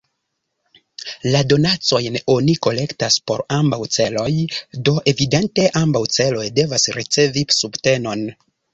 La donacojn oni kolektas por ambaŭ celoj, do evidente ambaŭ celoj devas ricevi subtenon.